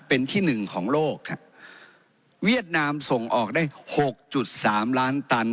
เป็นที่หนึ่งของโลกครับเวียดนามส่งออกได้หกจุดสามล้านตัน